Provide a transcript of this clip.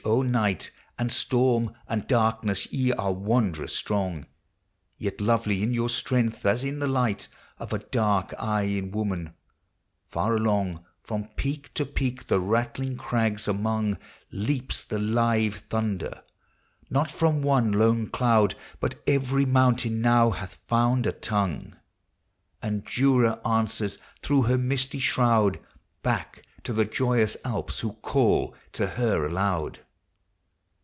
O night, And storm, and darkness, ye are wondrous strong, Yet lovely in your strength, as is the light Of a dark eye in woman ! Far along, From peak to peak, the rattling crags among Leaps the live thunder! Not from one lone cloud, But every mountain now hath found a tongue, 2U POEMS OF NATURE. And Jura answers, through her misty shroud, Back to the joyous Alps, who call to her aloud!